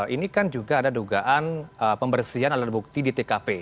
ini kan juga ada dugaan pembersihan alat bukti di tkp